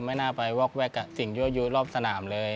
ไม่น่าไปวอกแวกกับสิ่งยั่วยู้รอบสนามเลย